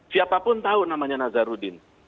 siapapun tahu namanya nazarudin